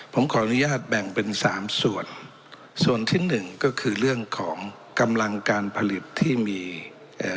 ผมขออนุญาตแบ่งเป็นสามส่วนส่วนที่หนึ่งก็คือเรื่องของกำลังการผลิตที่มีเอ่อ